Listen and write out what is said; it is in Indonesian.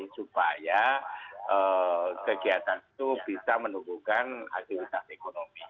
supaya kegiatan itu bisa menumbuhkan aktivitas ekonomi